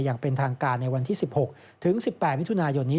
อย่างเป็นทางการในวันที่๑๖ถึง๑๘มิถุนายนนี้